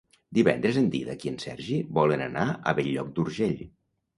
Divendres en Dídac i en Sergi volen anar a Bell-lloc d'Urgell.